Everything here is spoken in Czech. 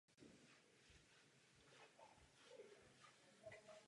To však zdaleka nebyla jediná novinka.